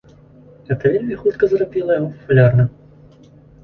Гэта вельмі хутка зрабіла яго папулярным.